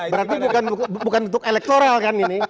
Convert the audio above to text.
berarti bukan untuk elektoral kan ini